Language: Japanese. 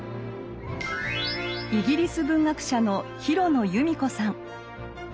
イギリス文学者の廣野由美子さん。